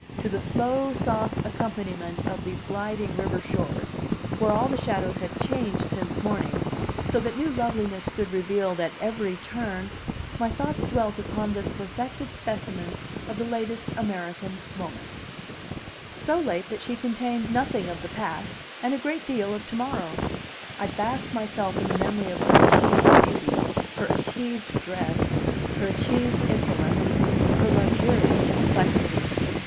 To the slow, soft accompaniment of these gliding river shores, where all the shadows had changed since morning, so that new loveliness stood revealed at every turn, my thoughts dwelt upon this perfected specimen of the latest American moment so late that she contained nothing of the past, and a great deal of to morrow. I basked myself in the memory of her achieved beauty, her achieved dress, her achieved insolence, her luxurious complexity.